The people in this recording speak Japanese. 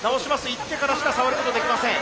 言ってからしか触ることできません。